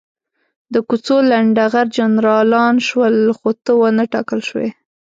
د کوڅو لنډه غر جنرالان شول، خو ته ونه ټاکل شوې.